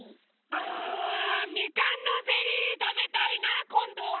ああみかんのゼリーたべたいなあこんどは。